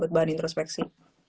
buat bahan introspeksi